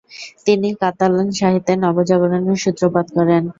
তিনি কাতালান সাহিত্যে নবজাগরণের সূত্রপাত করেন।